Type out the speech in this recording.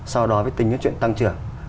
sau đó với tính chuyện tăng trưởng